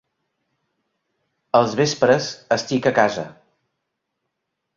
Els vespres estic a casa.